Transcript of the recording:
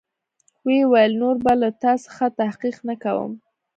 ويې ويل نور به له تا څخه تحقيق نه کوم.